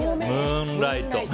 ムーンライト。